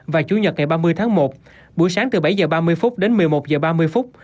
và chủ nhật ngày ba mươi tháng một buổi sáng từ bảy h ba mươi phút đến một mươi một h ba mươi phút